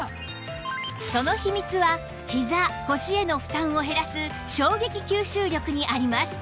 その秘密はひざ・腰への負担を減らす衝撃吸収力にあります